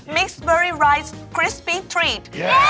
มิกส์เบอร์รีไรส์คริสปี้ทรีต